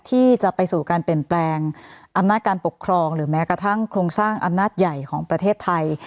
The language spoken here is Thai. ที่จะไปสู่การเปลี่ยนแปลงอำนาจการปกครองหรือแม้กระทั่งโครงสร้างอำนาจใหญ่ของประเทศไทย